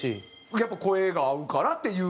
やっぱ声が合うからっていう。